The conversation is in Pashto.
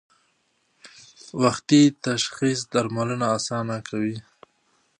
وختي تشخیص درملنه اسانه کوي.